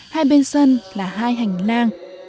hai bên sân là hai hành lang